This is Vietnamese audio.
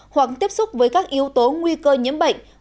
hoặc tiếp xúc với các yếu tố nguy cơ nhiễm bệnh